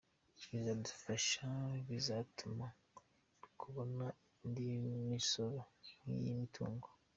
Bizadufasha, bizatuma kubona indi misoro nk’iy’imitungo.